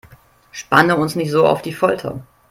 Spanne uns nicht so auf die Folter